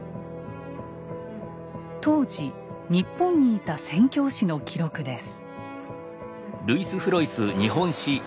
当時日本にいた宣教師の記録です。